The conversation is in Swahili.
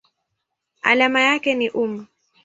Alama yake ni µm.